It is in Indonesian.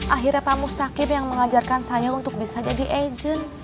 akhirnya pak mustakif yang mengajarkan saya untuk bisa jadi agent